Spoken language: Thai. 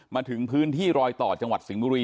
มาถึงพื้นที่รอยต่อจังหวัดสิงห์บุรี